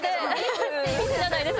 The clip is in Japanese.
ミスじゃないです。